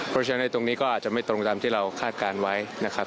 เพราะฉะนั้นในตรงนี้ก็อาจจะไม่ตรงตามที่เราคาดการณ์ไว้นะครับ